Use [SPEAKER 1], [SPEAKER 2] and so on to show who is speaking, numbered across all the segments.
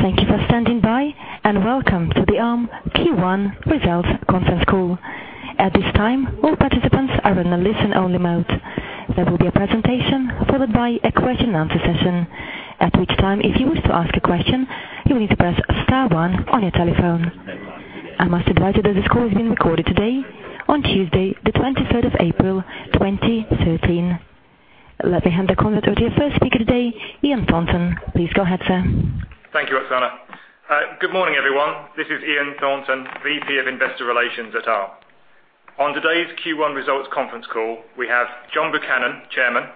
[SPEAKER 1] Thank you for standing by, and welcome to the Arm Q1 Results Conference Call. At this time, all participants are in a listen-only mode. There will be a presentation followed by a question and answer session. At which time, if you wish to ask a question, you will need to press star one on your telephone. I must advise you that this call is being recorded today, on Tuesday the 23rd of April, 2013. Let me hand the conference over to your first speaker today, Ian Thornton. Please go ahead, sir.
[SPEAKER 2] Thank you, Oksana. Good morning, everyone. This is Ian Thornton, VP of Investor Relations at Arm. On today's Q1 results conference call, we have John Buchanan, Chairman,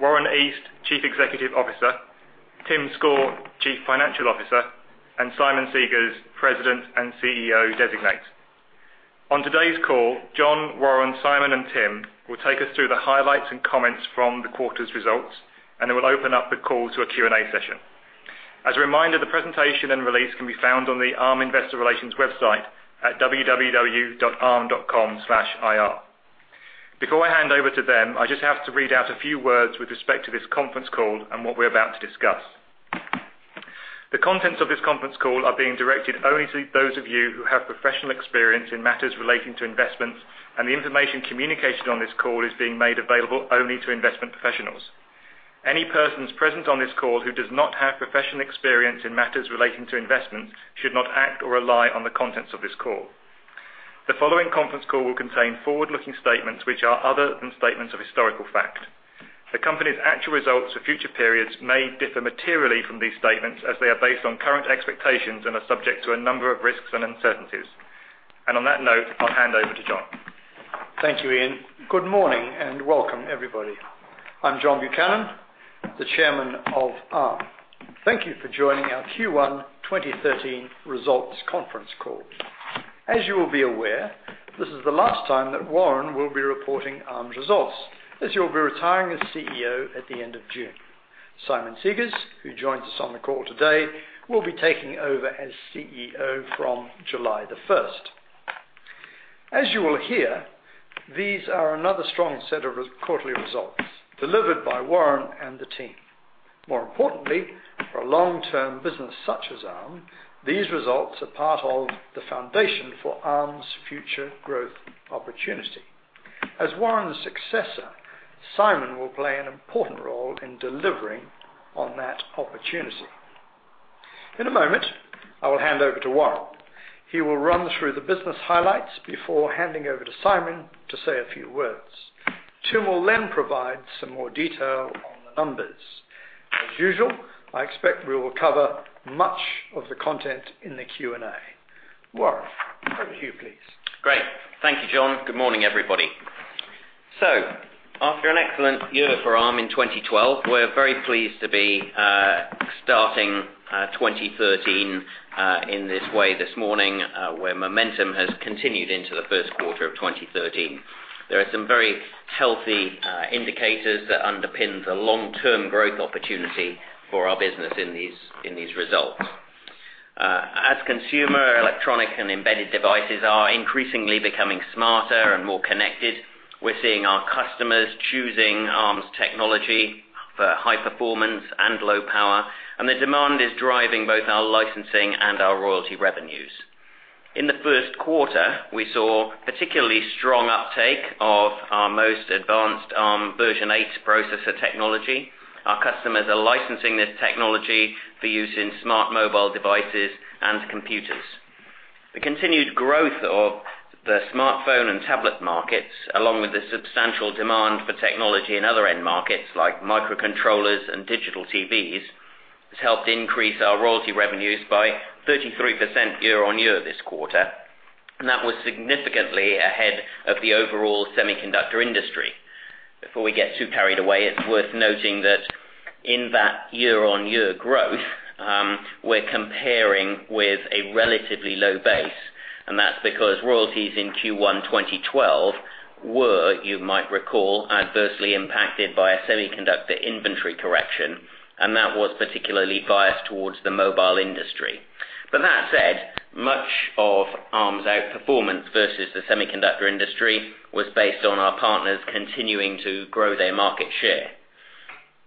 [SPEAKER 2] Warren East, Chief Executive Officer, Tim Score, Chief Financial Officer, and Simon Segars, President and CEO Designate. On today's call, John, Warren, Simon, and Tim will take us through the highlights and comments from the quarter's results, then we'll open up the call to a Q&A session. As a reminder, the presentation and release can be found on the Arm Investor Relations website at www.arm.com/ir. Before I hand over to them, I just have to read out a few words with respect to this conference call and what we're about to discuss. The contents of this conference call are being directed only to those of you who have professional experience in matters relating to investments, the information communicated on this call is being made available only to investment professionals. Any persons present on this call who does not have professional experience in matters relating to investment should not act or rely on the contents of this call. The following conference call will contain forward-looking statements, which are other than statements of historical fact. The company's actual results for future periods may differ materially from these statements, as they are based on current expectations and are subject to a number of risks and uncertainties. On that note, I'll hand over to John.
[SPEAKER 3] Thank you, Ian. Good morning, and welcome everybody. I'm John Buchanan, the Chairman of Arm. Thank you for joining our Q1 2013 results conference call. As you will be aware, this is the last time that Warren will be reporting Arm's results, as he'll be retiring as CEO at the end of June. Simon Segars, who joins us on the call today, will be taking over as CEO from July the 1st. As you will hear, these are another strong set of quarterly results delivered by Warren and the team. More importantly, for a long-term business such as Arm, these results are part of the foundation for Arm's future growth opportunity. In a moment, I will hand over to Warren. He will run through the business highlights before handing over to Simon to say a few words. Tim will then provide some more detail on the numbers. As usual, I expect we will cover much of the content in the Q&A. Warren, over to you, please.
[SPEAKER 4] Great. Thank you, John. Good morning, everybody. After an excellent year for Arm in 2012, we're very pleased to be starting 2013 in this way this morning, where momentum has continued into the first quarter of 2013. There are some very healthy indicators that underpin the long-term growth opportunity for our business in these results. As consumer electronic and embedded devices are increasingly becoming smarter and more connected, we're seeing our customers choosing Arm's technology for high performance and low power, and the demand is driving both our licensing and our royalty revenues. In the first quarter, we saw particularly strong uptake of our most advanced Arm version eight processor technology. Our customers are licensing this technology for use in smart mobile devices and computers. The continued growth of the smartphone and tablet markets, along with the substantial demand for technology in other end markets like microcontrollers and digital TVs, has helped increase our royalty revenues by 33% year-over-year this quarter, that was significantly ahead of the overall semiconductor industry. Before we get too carried away, it's worth noting that in that year-over-year growth, we're comparing with a relatively low base, that's because royalties in Q1 2012 were, you might recall, adversely impacted by a semiconductor inventory correction, that was particularly biased towards the mobile industry. That said, much of Arm's outperformance versus the semiconductor industry was based on our partners continuing to grow their market share.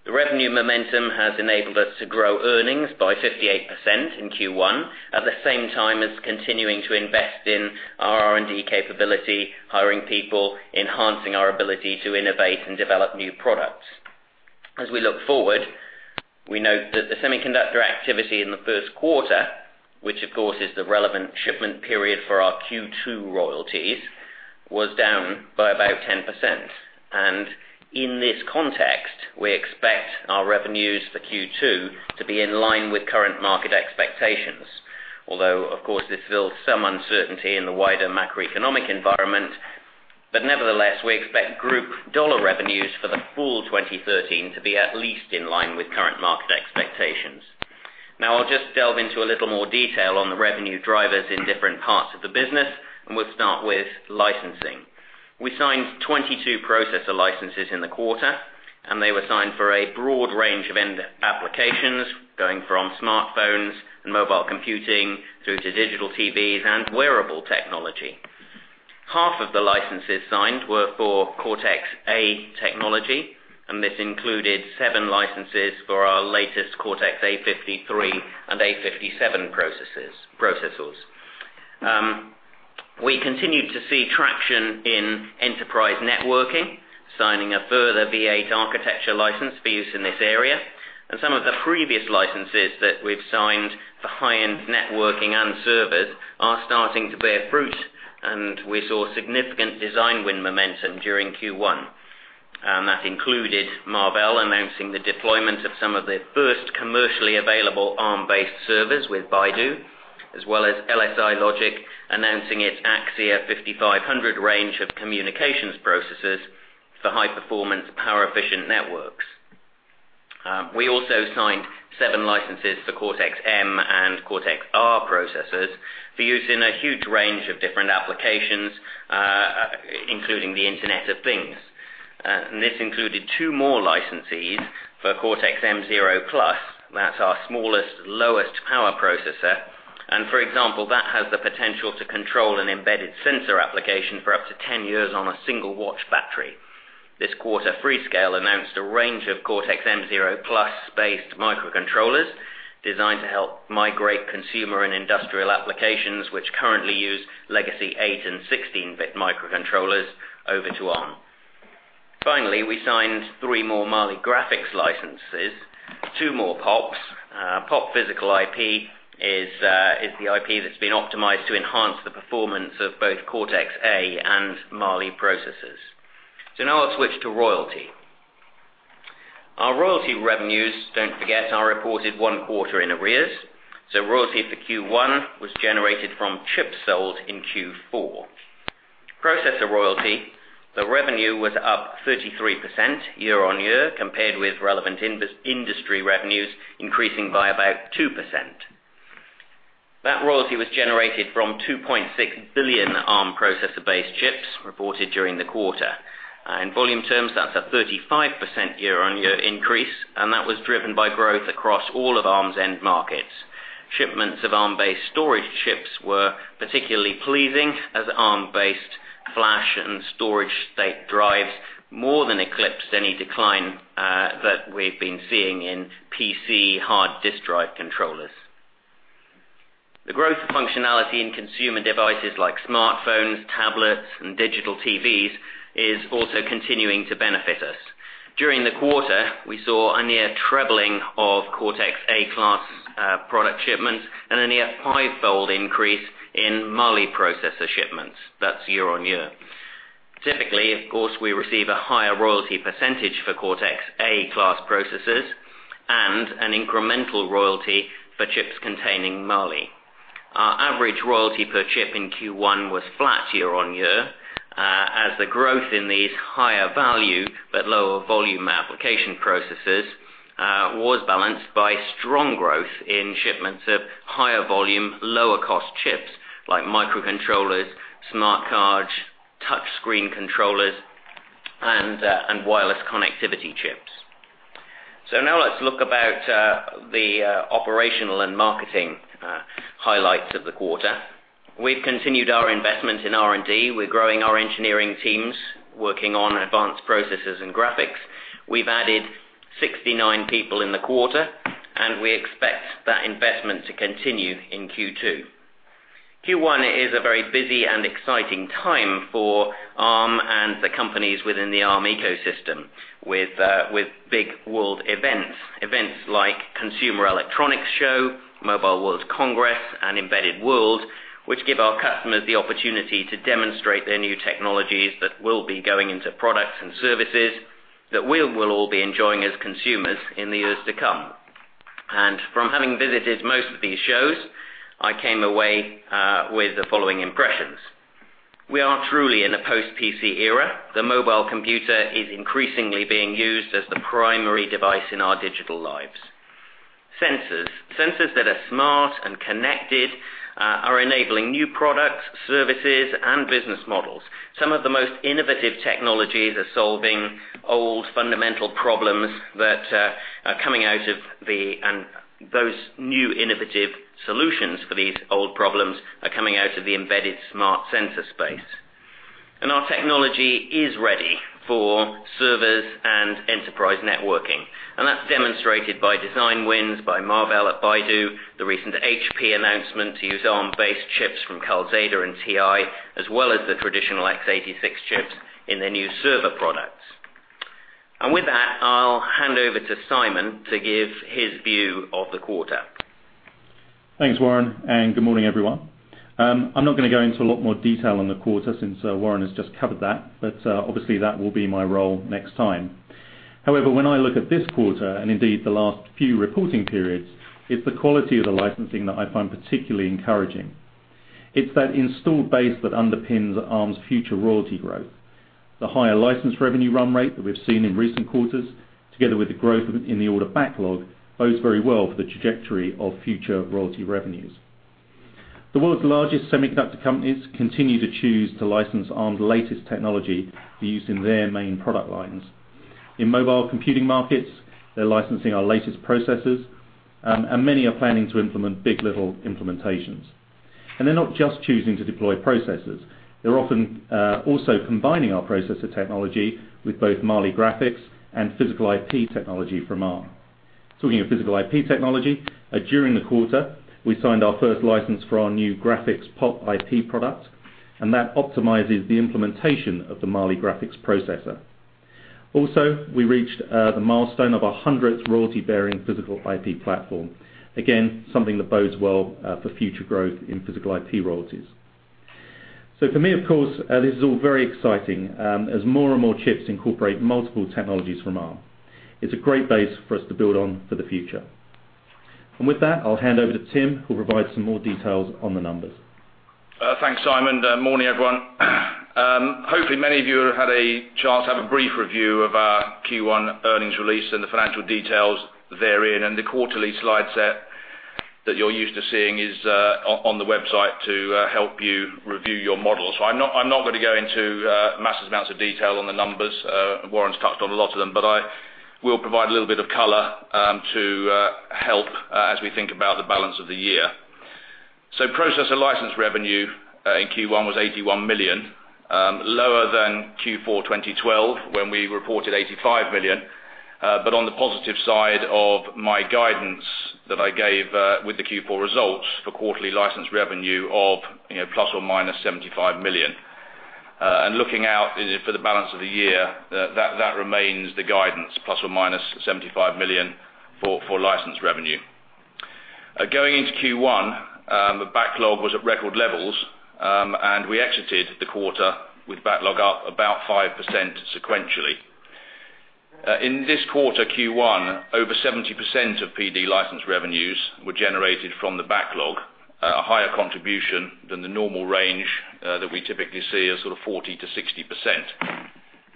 [SPEAKER 4] The revenue momentum has enabled us to grow earnings by 58% in Q1 at the same time as continuing to invest in our R&D capability, hiring people, enhancing our ability to innovate and develop new products. As we look forward, we note that the semiconductor activity in the first quarter, which of course is the relevant shipment period for our Q2 royalties, was down by about 10%. In this context, we expect our revenues for Q2 to be in line with current market expectations. Although, of course, there's still some uncertainty in the wider macroeconomic environment. Nevertheless, we expect group dollar revenues for the full 2013 to be at least in line with current market expectations. I'll just delve into a little more detail on the revenue drivers in different parts of the business, we'll start with licensing. We signed 22 processor licenses in the quarter. They were signed for a broad range of end applications, going from smartphones and mobile computing through to digital TVs and wearable technology. Half of the licenses signed were for Cortex-A technology. This included seven licenses for our latest Cortex-A53 and A57 processors. We continued to see traction in enterprise networking, signing a further V8 architecture license for use in this area. Some of the previous licenses that we've signed for high-end networking and servers are starting to bear fruit. We saw significant design win momentum during Q1. That included Marvell announcing the deployment of some of the first commercially available Arm based servers with Baidu, as well as LSI Logic, announcing its Axxia 5500 range of communications processors for high performance, power efficient networks. We also signed seven licenses for Cortex-M and Cortex-R processors for use in a huge range of different applications, including the Internet of Things. This included two more licensees for Cortex-M0+. That's our smallest, lowest power processor. For example, that has the potential to control an embedded sensor application for up to 10 years on a single watch battery. This quarter, Freescale announced a range of Cortex-M0+ based microcontrollers designed to help migrate consumer and industrial applications, which currently use legacy eight and 16-bit microcontrollers over to Arm. Finally, we signed three more Mali graphics licenses. Two more POPs. POP physical IP is the IP that's been optimized to enhance the performance of both Cortex-A and Mali processors. Now I'll switch to royalty. Our royalty revenues, don't forget, are reported one quarter in arrears. Royalty for Q1 was generated from chips sold in Q4. Processor royalty, the revenue was up 33% year-on-year compared with relevant industry revenues increasing by about 2%. That royalty was generated from 2.6 billion Arm processor based chips reported during the quarter. In volume terms, that's a 35% year-on-year increase. That was driven by growth across all of Arm's end markets. Shipments of Arm based storage chips were particularly pleasing, as Arm based flash and storage state drives more than eclipsed any decline that we've been seeing in PC hard disk drive controllers. The growth of functionality in consumer devices like smartphones, tablets, and digital TVs is also continuing to benefit us. During the quarter, we saw a near trebling of Cortex-A class product shipments and a near fivefold increase in Mali processor shipments. That's year-on-year. Typically, of course, we receive a higher royalty percentage for Cortex-A class processors and an incremental royalty for chips containing Mali. Our average royalty per chip in Q1 was flat year-on-year, as the growth in these higher value but lower volume application processors was balanced by strong growth in shipments of higher volume, lower cost chips like microcontrollers, smart cards, touchscreen controllers, and wireless connectivity chips. Now let's look about the operational and marketing highlights of the quarter. We've continued our investment in R&D. We're growing our engineering teams, working on advanced processors and graphics. We've added 69 people in the quarter. We expect that investment to continue in Q2. Q1 is a very busy and exciting time for Arm and the companies within the Arm ecosystem with big world events. Events like Consumer Electronics Show, Mobile World Congress, and Embedded World, which give our customers the opportunity to demonstrate their new technologies that will be going into products and services that we will all be enjoying as consumers in the years to come. From having visited most of these shows, I came away with the following impressions. We are truly in a post PC era. The mobile computer is increasingly being used as the primary device in our digital lives. Sensors that are smart and connected are enabling new products, services, and business models. Some of the most innovative technologies are solving old fundamental problems that are coming out of the embedded smart sensor space. Our technology is ready for servers and enterprise networking. That's demonstrated by design wins by Marvell at Baidu, the recent HP announcement to use Arm-based chips from Calxeda and TI, as well as the traditional X86 chips in their new server products. With that, I'll hand over to Simon to give his view of the quarter.
[SPEAKER 5] Thanks, Warren, and good morning, everyone. I'm not going to go into a lot more detail on the quarter since Warren has just covered that, obviously that will be my role next time. However, when I look at this quarter, and indeed the last few reporting periods, it's the quality of the licensing that I find particularly encouraging. It's that installed base that underpins Arm's future royalty growth. The higher license revenue run rate that we've seen in recent quarters, together with the growth in the order backlog, bodes very well for the trajectory of future royalty revenues. The world's largest semiconductor companies continue to choose to license Arm's latest technology for use in their main product lines. In mobile computing markets, they're licensing our latest processors, and many are planning to implement big. LITTLE implementations. They're not just choosing to deploy processors. They're often also combining our processor technology with both Mali graphics and physical IP technology from Arm. Talking of physical IP technology, during the quarter, we signed our first license for our new graphics POP IP product, that optimizes the implementation of the Mali graphics processor. Also, we reached the milestone of our 100th royalty-bearing physical IP platform. Again, something that bodes well for future growth in physical IP royalties. For me, of course, this is all very exciting, as more and more chips incorporate multiple technologies from Arm. It's a great base for us to build on for the future. With that, I'll hand over to Tim, who will provide some more details on the numbers.
[SPEAKER 6] Thanks, Simon. Morning, everyone. Hopefully, many of you have had a chance to have a brief review of our Q1 earnings release and the financial details therein. The quarterly slide set that you're used to seeing is on the website to help you review your models. I'm not going to go into massive amounts of detail on the numbers. Warren's touched on a lot of them. I will provide a little bit of color to help as we think about the balance of the year. Processor license revenue in Q1 was 81 million, lower than Q4 2012 when we reported 85 million. On the positive side of my guidance that I gave with the Q4 results for quarterly license revenue of ±75 million. Looking out for the balance of the year, that remains the guidance, ±75 million for license revenue. Going into Q1, the backlog was at record levels. We exited the quarter with backlog up about 5% sequentially. In this quarter, Q1, over 70% of PD license revenues were generated from the backlog, a higher contribution than the normal range that we typically see of sort of 40%-60%.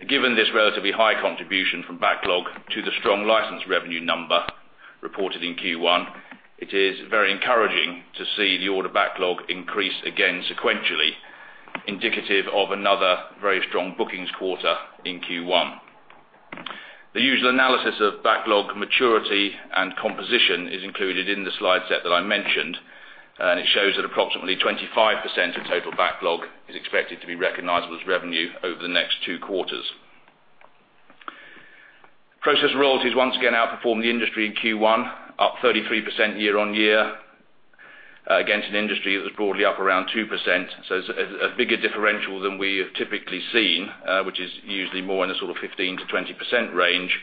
[SPEAKER 6] Given this relatively high contribution from backlog to the strong license revenue number reported in Q1, it is very encouraging to see the order backlog increase again sequentially, indicative of another very strong bookings quarter in Q1. The usual analysis of backlog maturity and composition is included in the slide set that I mentioned, it shows that approximately 25% of total backlog is expected to be recognizable as revenue over the next two quarters. Process royalties once again outperformed the industry in Q1, up 33% year-on-year against an industry that was broadly up around 2%, so it's a bigger differential than we have typically seen, which is usually more in the sort of 15%-20% range.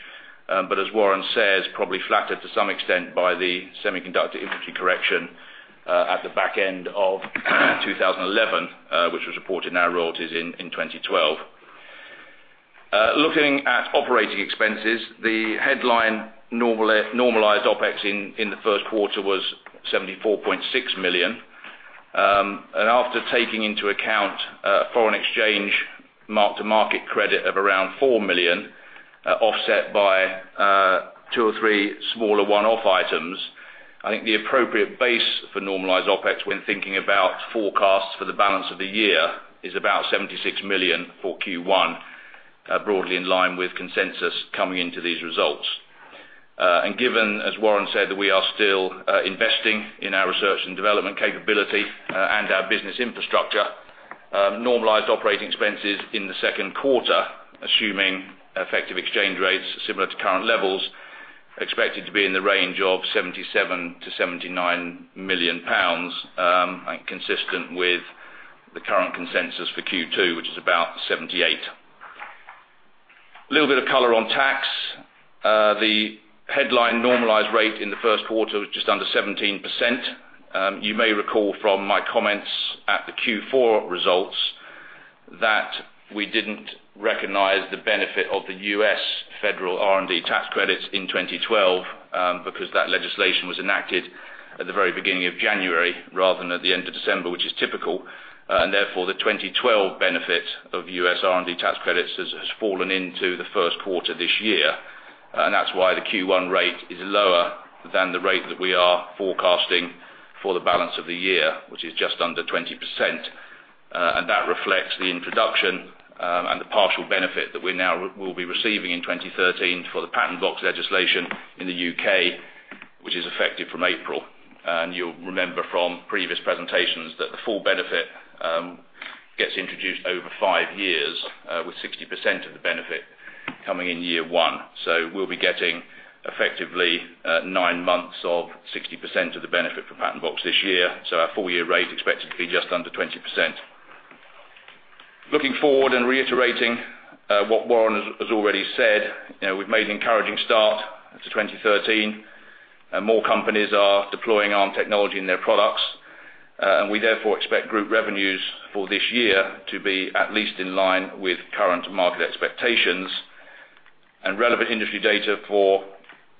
[SPEAKER 6] As Warren says, probably flattered to some extent by the semiconductor industry correction at the back end of 2011, which was reported in our royalties in 2012. Looking at operating expenses, the headline normalized OpEx in the first quarter was 74.6 million. After taking into account foreign exchange mark-to-market credit of around 4 million, offset by two or three smaller one-off items, I think the appropriate base for normalized OpEx when thinking about forecasts for the balance of the year is about 76 million for Q1, broadly in line with consensus coming into these results. Given, as Warren said, that we are still investing in our research and development capability and our business infrastructure, normalized operating expenses in the second quarter, assuming effective exchange rates similar to current levels, expected to be in the range of 77 million-79 million pounds, consistent with the current consensus for Q2, which is about 78 million. A little bit of color on tax. The headline normalized rate in the first quarter was just under 17%. You may recall from my comments at the Q4 results that we didn't recognize the benefit of the U.S. federal R&D tax credits in 2012 because that legislation was enacted at the very beginning of January rather than at the end of December, which is typical, and therefore the 2012 benefit of U.S. R&D tax credits has fallen into the first quarter this year. That's why the Q1 rate is lower than the rate that we are forecasting for the balance of the year, which is just under 20%. That reflects the introduction and the partial benefit that we now will be receiving in 2013 for the Patent Box legislation in the U.K., which is effective from April. You'll remember from previous presentations that the full benefit gets introduced over 5 years, with 60% of the benefit coming in year 1. We'll be getting effectively 9 months of 60% of the benefit for Patent Box this year. Our full-year rate is expected to be just under 20%. Looking forward and reiterating what Warren has already said, we've made an encouraging start to 2013. More companies are deploying Arm technology in their products. We therefore expect group revenues for this year to be at least in line with current market expectations. Relevant industry data for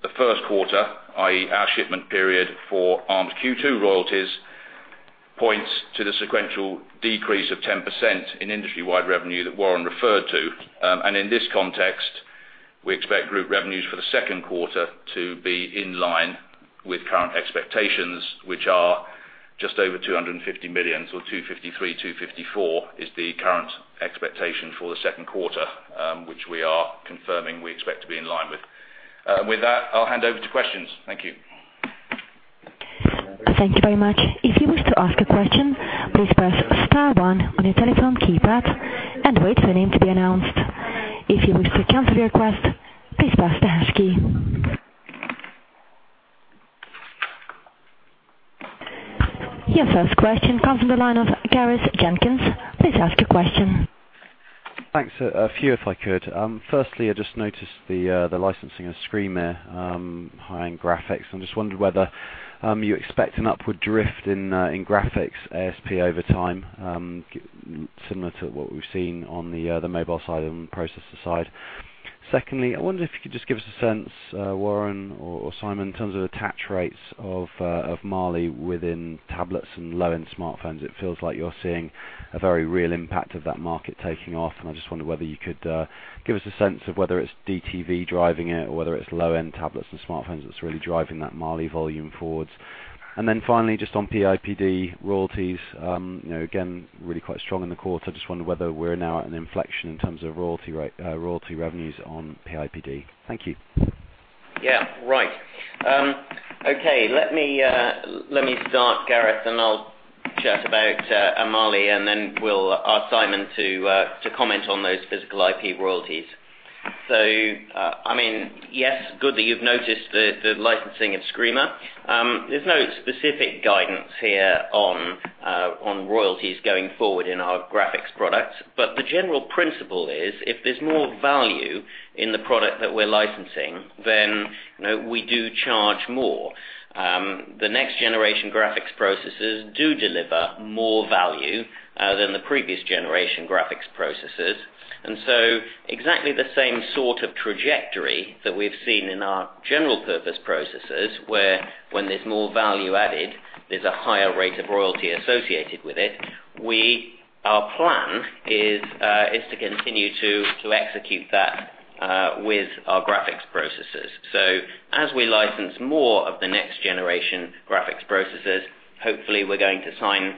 [SPEAKER 6] the first quarter, i.e., our shipment period for Arm's Q2 royalties, points to the sequential decrease of 10% in industry-wide revenue that Warren referred to. In this context, we expect group revenues for the second quarter to be in line with current expectations, which are
[SPEAKER 4] Just over $250 million, so $253 million, $254 million is the current expectation for the second quarter, which we are confirming we expect to be in line with. With that, I'll hand over to questions. Thank you.
[SPEAKER 1] Thank you very much. If you wish to ask a question, please press star one on your telephone keypad and wait for your name to be announced. If you wish to cancel your request, please press the hash key. Your first question comes from the line of Gareth Jenkins. Please ask your question.
[SPEAKER 7] Thanks. A few if I could. Firstly, I just noticed the licensing of Skymir high-end graphics. I just wondered whether you expect an upward drift in graphics ASP over time, similar to what we've seen on the mobile side and processor side. Secondly, I wonder if you could just give us a sense, Warren or Simon, in terms of attach rates of Mali within tablets and low-end smartphones. It feels like you're seeing a very real impact of that market taking off. I just wondered whether you could give us a sense of whether it's DTV driving it or whether it's low-end tablets and smartphones that's really driving that Mali volume forwards. Finally, just on PIPD royalties. Again, really quite strong in the quarter. Just wondered whether we're now at an inflection in terms of royalty revenues on PIPD. Thank you.
[SPEAKER 4] Yeah. Right. Okay. Let me start, Gareth. I'll chat about Mali. Then we'll ask Simon to comment on those physical IP royalties. Yes, good that you've noticed the licensing of Skymir. There's no specific guidance here on royalties going forward in our graphics products. The general principle is, if there's more value in the product that we're licensing, then we do charge more. The next generation graphics processors do deliver more value than the previous generation graphics processors. Exactly the same sort of trajectory that we've seen in our general purpose processors where when there's more value added, there's a higher rate of royalty associated with it. Our plan is to continue to execute that with our graphics processors. As we license more of the next generation graphics processors, hopefully we're going to sign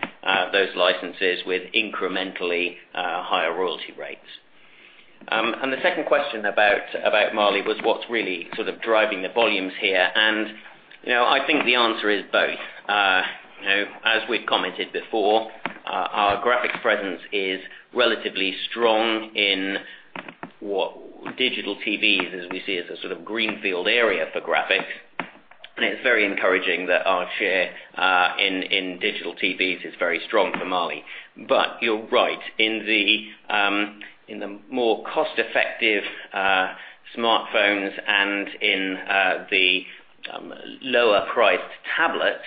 [SPEAKER 4] those licenses with incrementally higher royalty rates. The second question about Mali was what's really sort of driving the volumes here. I think the answer is both. As we've commented before, our graphics presence is relatively strong in what digital TVs as we see as a sort of greenfield area for graphics. It's very encouraging that our share in digital TVs is very strong for Mali. You're right. In the more cost-effective smartphones and in the lower priced tablets,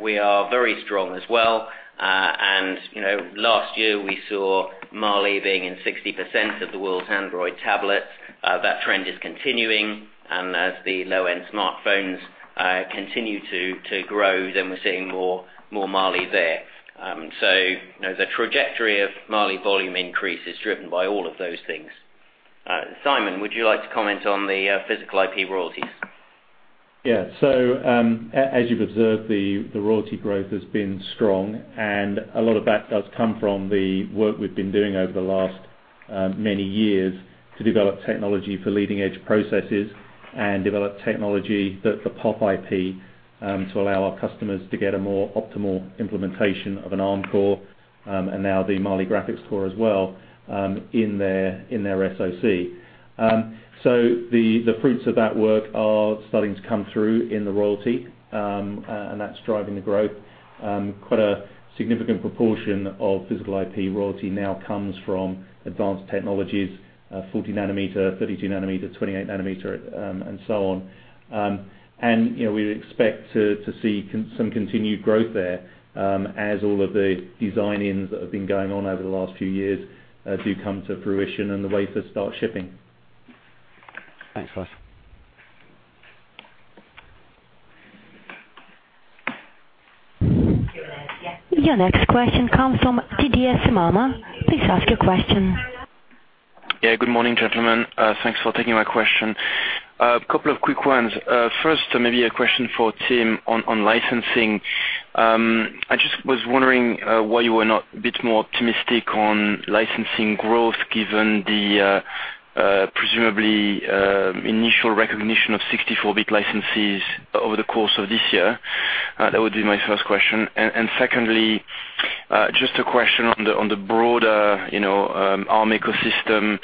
[SPEAKER 4] we are very strong as well. Last year we saw Mali being in 60% of the world's Android tablets. That trend is continuing. As the low-end smartphones continue to grow, then we're seeing more Mali there. The trajectory of Mali volume increase is driven by all of those things. Simon, would you like to comment on the physical IP royalties?
[SPEAKER 5] Yeah. As you've observed, the royalty growth has been strong. A lot of that does come from the work we've been doing over the last many years to develop technology for leading-edge processes. Develop technology that the POP IP to allow our customers to get a more optimal implementation of an Arm core, and now the Mali graphics core as well in their SoC. The fruits of that work are starting to come through in the royalty. That's driving the growth. Quite a significant proportion of physical IP royalty now comes from advanced technologies, 40 nanometer, 32 nanometer, 28 nanometer, and so on. We expect to see some continued growth there as all of the design-ins that have been going on over the last few years do come to fruition. The wafers start shipping.
[SPEAKER 7] Thanks, guys.
[SPEAKER 1] Your next question comes from Didier Scemama. Please ask your question.
[SPEAKER 8] Good morning, gentlemen. Thanks for taking my question. A couple of quick ones. First, maybe a question for Tim Score on licensing. I just was wondering why you were not a bit more optimistic on licensing growth given the presumably initial recognition of 64-bit licenses over the course of this year. That would be my first question. Secondly, just a question on the broader Arm ecosystem.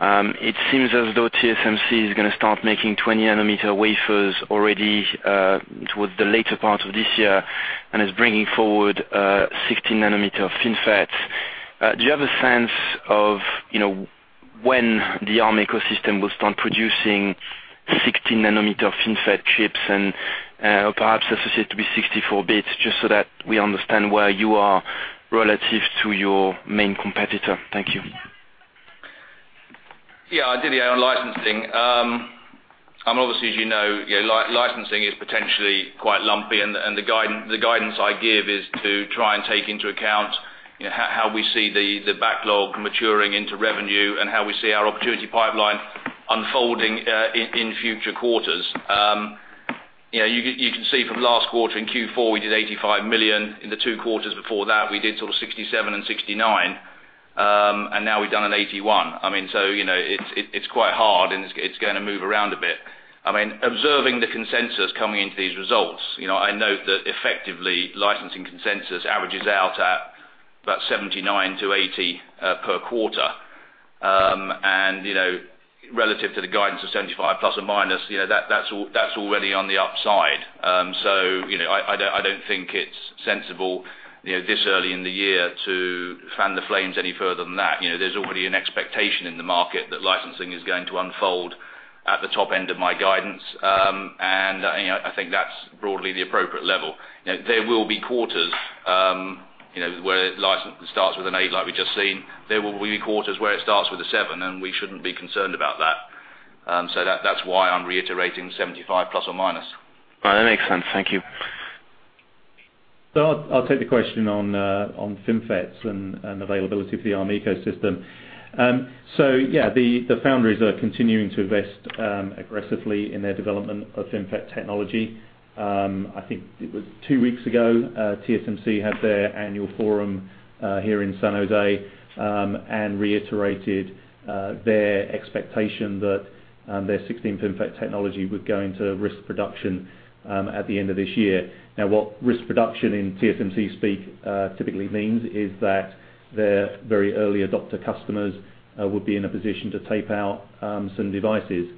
[SPEAKER 8] It seems as though TSMC is going to start making 20 nanometer wafers already towards the later part of this year and is bringing forward 16 nanometer FinFET. Do you have a sense of when the Arm ecosystem will start producing 16 nanometer FinFET chips and perhaps associated to be 64 bit just so that we understand where you are relative to your main competitor? Thank you.
[SPEAKER 6] Didier, on licensing. Obviously as you know, licensing is potentially quite lumpy and the guidance I give is to try and take into account How we see the backlog maturing into revenue and how we see our opportunity pipeline unfolding in future quarters. You can see from last quarter in Q4 we did 85 million. In the two quarters before that we did sort of 67 million and 69 million, and now we've done 81 million. It's quite hard and it's going to move around a bit. Observing the consensus coming into these results, I note that effectively licensing consensus averages out at about 79 million to 80 million per quarter. Relative to the guidance of 75 million ±, that's already on the upside. I don't think it's sensible this early in the year to fan the flames any further than that. There's already an expectation in the market that licensing is going to unfold at the top end of my guidance. I think that's broadly the appropriate level. There will be quarters where license starts with an 8, like we've just seen. There will be quarters where it starts with a 7, we shouldn't be concerned about that. That's why I'm reiterating 75 million ±.
[SPEAKER 8] That makes sense. Thank you.
[SPEAKER 5] I'll take the question on FinFETs and availability for the Arm ecosystem. The foundries are continuing to invest aggressively in their development of FinFET technology. I think it was two weeks ago, TSMC had their annual forum here in San Jose, reiterated their expectation that their 16 FinFET technology would go into risk production at the end of this year. What risk production in TSMC-speak typically means is that their very early adopter customers would be in a position to tape out some devices.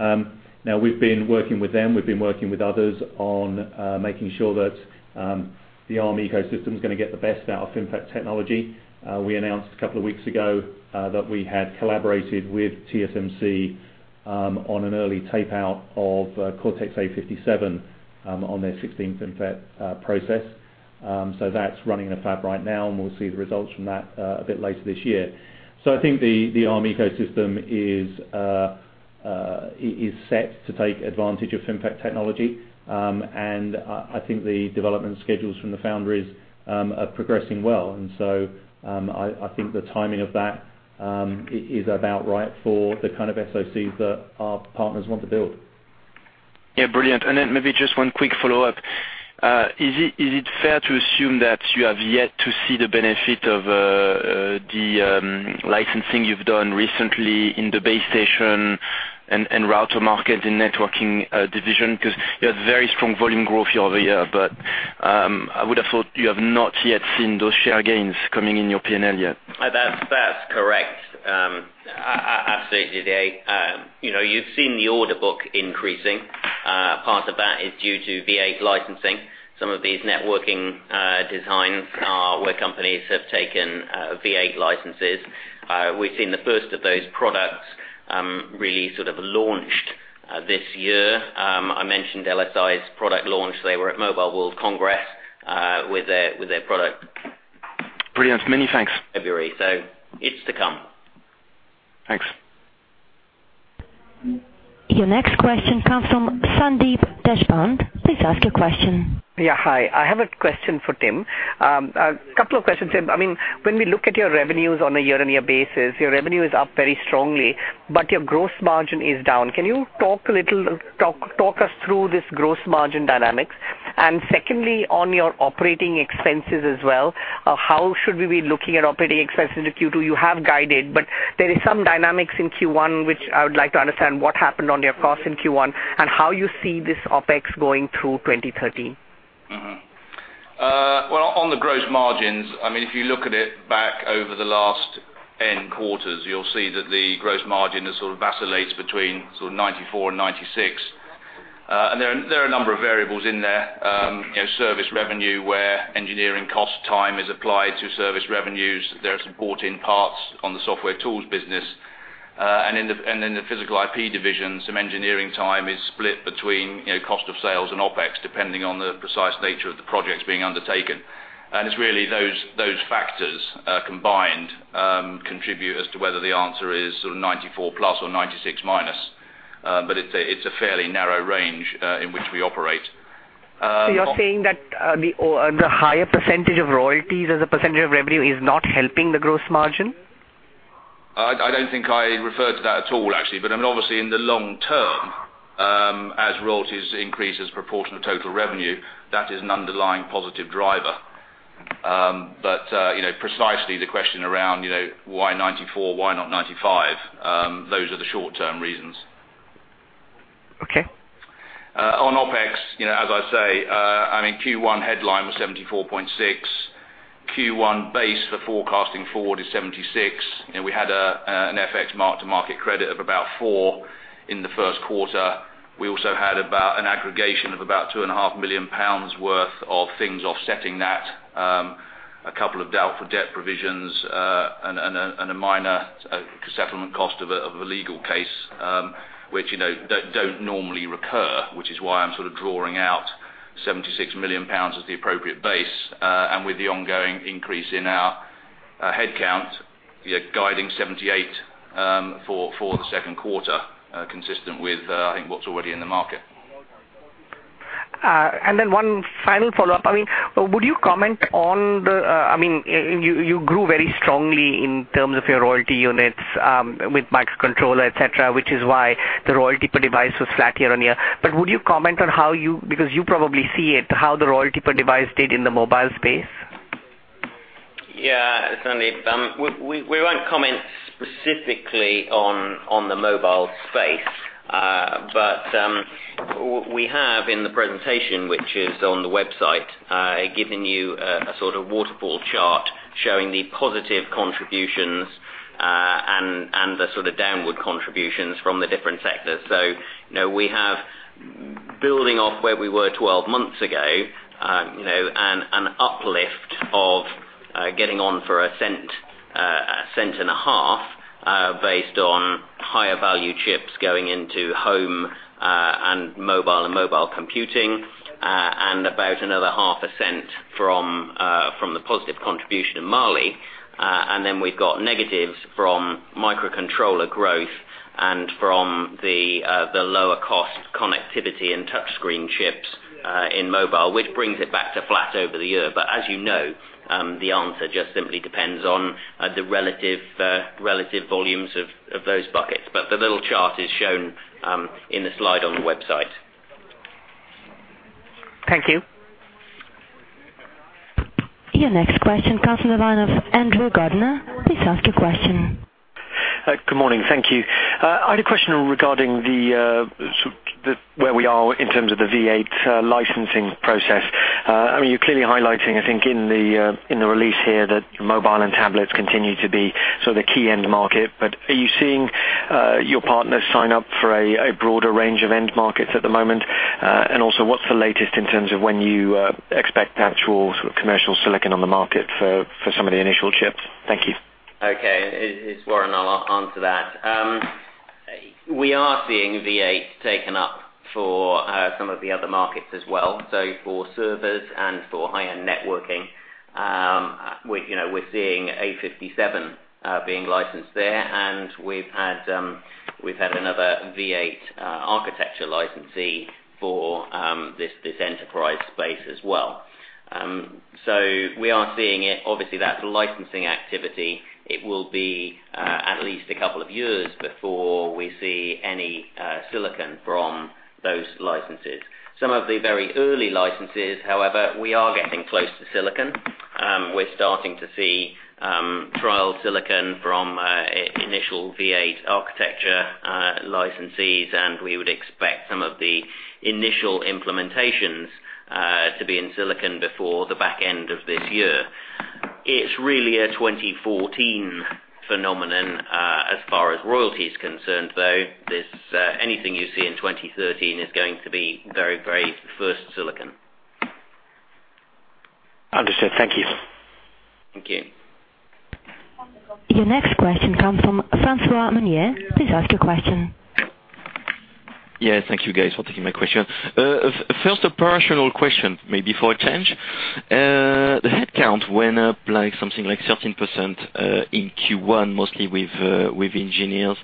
[SPEAKER 5] We've been working with them, we've been working with others on making sure that the Arm ecosystem is going to get the best out of FinFET technology. We announced a couple of weeks ago that we had collaborated with TSMC on an early tape-out of Cortex-A57 on their 16 FinFET process. That's running in a fab right now, and we'll see the results from that a bit later this year. I think the Arm ecosystem is set to take advantage of FinFET technology. I think the development schedules from the foundries are progressing well. I think the timing of that is about right for the kind of SoCs that our partners want to build.
[SPEAKER 8] Yeah, brilliant. Maybe just one quick follow-up. Is it fair to assume that you have yet to see the benefit of the licensing you've done recently in the base station and router market and networking division? Because you had very strong volume growth year-over-year. I would have thought you have not yet seen those share gains coming in your P&L yet.
[SPEAKER 4] That's correct. Absolutely, you've seen the order book increasing. Part of that is due to V8 licensing. Some of these networking designs are where companies have taken V8 licenses. We've seen the first of those products really sort of launched this year. I mentioned LSI's product launch. They were at Mobile World Congress with their product.
[SPEAKER 8] Brilliant. Many thanks.
[SPEAKER 4] February. It's to come.
[SPEAKER 8] Thanks.
[SPEAKER 1] Your next question comes from Sandeep Deshpande. Please ask your question.
[SPEAKER 9] Hi. I have a question for Tim. A couple of questions, Tim. When we look at your revenues on a year-on-year basis, your revenue is up very strongly, but your gross margin is down. Can you talk us through this gross margin dynamics? Secondly, on your operating expenses as well, how should we be looking at operating expenses in Q2? You have guided, but there is some dynamics in Q1 which I would like to understand what happened on your costs in Q1 and how you see this OpEx going through 2013.
[SPEAKER 6] Well, on the gross margins, if you look at it back over the last N quarters, you'll see that the gross margin has sort of vacillates between sort of 94% and 96%. There are a number of variables in there. Service revenue, where engineering cost time is applied to service revenues. There are support in parts on the software tools business. In the physical IP division, some engineering time is split between cost of sales and OpEx, depending on the precise nature of the projects being undertaken. It's really those factors combined contribute as to whether the answer is sort of 94%+ or 96% minus. It's a fairly narrow range in which we operate.
[SPEAKER 9] You're saying that the higher percentage of royalties as a percentage of revenue is not helping the gross margin?
[SPEAKER 6] I don't think I referred to that at all, actually. Obviously in the long term as royalties increase as a proportion of total revenue, that is an underlying positive driver. Precisely the question around why 94, why not 95? Those are the short-term reasons.
[SPEAKER 9] Okay.
[SPEAKER 6] On OpEx, as I say, Q1 headline was 74.6. Q1 base for forecasting forward is 76. We had an FX mark to market credit of about four in the first quarter. We also had about an aggregation of about 2.5 million pounds worth of things offsetting that. A couple of doubtful debt provisions, and a minor settlement cost of a legal case, which don't normally recur, which is why I'm sort of drawing out 76 million pounds as the appropriate base. With the ongoing increase in our headcount, guiding 78 for the second quarter, consistent with I think what's already in the market.
[SPEAKER 9] One final follow-up. You grew very strongly in terms of your royalty units with microcontroller, et cetera, which is why the royalty per device was flat year-on-year. Would you comment on how you, because you probably see it, how the royalty per device did in the mobile space?
[SPEAKER 4] Sandeep, we won't comment specifically on the mobile space. We have in the presentation, which is on the website, given you a sort of waterfall chart showing the positive contributions and the sort of downward contributions from the different sectors. We have building off where we were 12 months ago, an uplift of getting on for GBP 0.01, GBP 0.015, based on higher value chips going into home and mobile and mobile computing, and about another GBP 0.005 from the positive contribution of Mali. We've got negatives from microcontroller growth and from the lower cost connectivity and touchscreen chips in mobile, which brings it back to flat over the year. As you know, the answer just simply depends on the relative volumes of those buckets. The little chart is shown in the slide on the website.
[SPEAKER 9] Thank you.
[SPEAKER 1] Your next question comes the line of Andrew Gardiner. Please ask your question.
[SPEAKER 10] Good morning. Thank you. I had a question regarding where we are in terms of the V8 licensing process. You're clearly highlighting, I think, in the release here that mobile and tablets continue to be sort of the key end market. Are you seeing your partners sign up for a broader range of end markets at the moment? Also, what's the latest in terms of when you expect actual sort of commercial silicon on the market for some of the initial chips? Thank you.
[SPEAKER 4] Okay. It's Warren. I'll answer that. We are seeing v8 taken up for some of the other markets as well. For servers and for high-end networking, we're seeing Cortex-A57 being licensed there, and we've had another v8 architecture licensee for this enterprise space as well. We are seeing it. Obviously, that's a licensing activity. It will be at least a couple of years before we see any silicon from those licenses. Some of the very early licenses, however, we are getting close to silicon. We're starting to see trial silicon from initial v8 architecture licensees, and we would expect some of the initial implementations to be in silicon before the back end of this year. It's really a 2014 phenomenon, as far as royalty is concerned, though. Anything you see in 2013 is going to be very first silicon.
[SPEAKER 10] Understood. Thank you.
[SPEAKER 4] Thank you.
[SPEAKER 1] Your next question comes from Francois Meunier. Please ask your question.
[SPEAKER 11] Yes, thank you guys for taking my question. First, a personal question maybe for a change. The headcount went up something like 13% in Q1, mostly with engineers.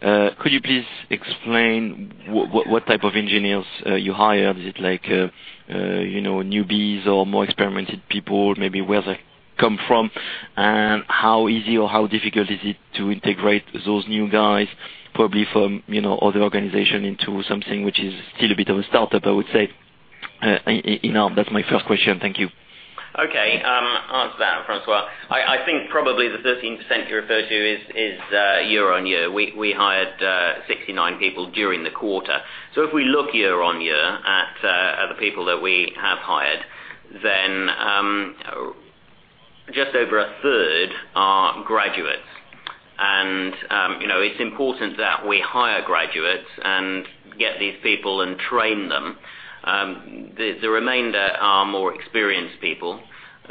[SPEAKER 11] Could you please explain what type of engineers you hired? Is it newbies or more experienced people? Maybe where they come from, and how easy or how difficult is it to integrate those new guys, probably from other organization into something which is still a bit of a startup, I would say, in Arm? That's my first question. Thank you.
[SPEAKER 4] Okay. Answer that, Francois. I think probably the 13% you refer to is year-on-year. We hired 69 people during the quarter. If we look year-on-year at the people that we have hired, then just over a third are graduates. It's important that we hire graduates and get these people and train them. The remainder are more experienced people.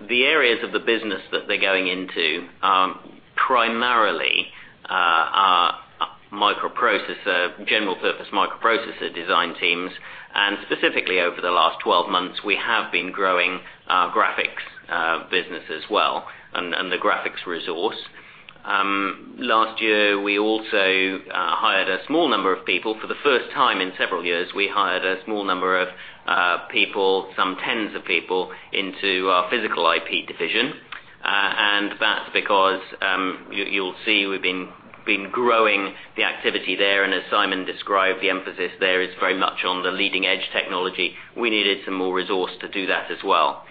[SPEAKER 4] The areas of the business that they're going into are primarily general purpose microprocessor design teams. Specifically over the last 12 months, we have been growing our graphics business as well and the graphics resource. Last year, we also hired a small number of people. For the first time in several years, we hired a small number of people, some tens of people into our physical IP division. That's because, you'll see, we've been growing the activity there. As Simon described, the emphasis there is very much on the leading-edge technology. We needed some more resource to do that as well.